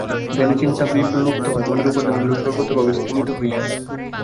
ধ্যানে চিন্তা বিলুপ্ত হয়, মনের উপাদানগুলিও সর্বতোভাবে স্তিমিত হইয়া যায়।